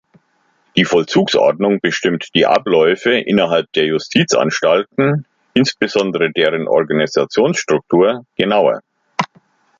Die Vollzugsordnung bestimmt die Abläufe innerhalb der Justizanstalten, insbesondere deren Organisationsstruktur, genauer.